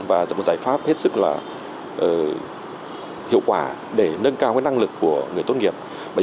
và giải pháp hết sức hiệu quả để nâng cao năng lực của người tốt nghiệp